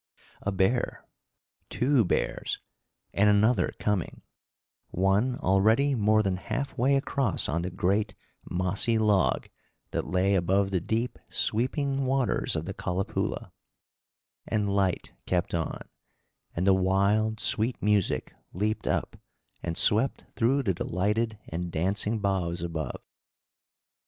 A bear! two bears! and another coming; one already more than half way across on the great, mossy log that lay above the deep, sweeping waters of the Calipoola; and Lyte kept on, and the wild, sweet music leaped up and swept through the delighted and dancing boughs above.